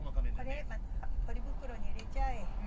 これまたポリ袋に入れちゃえ。